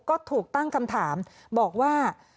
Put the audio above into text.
ก็ถูกตั้งคำถามบอกว่า